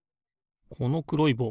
このくろいぼう